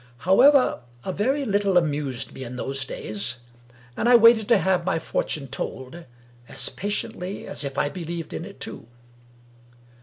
However, a very little amused me in those days ; and I waited to have my fortune told, as patiently as if I believed in it too